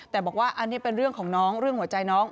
แต่บอกว่าอันนี้เป็นเรื่องของน้องเรื่องหัวใจน้อง